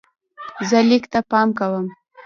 زه لیک ته پام کوم.